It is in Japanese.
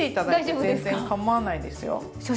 全然かまわないですよ。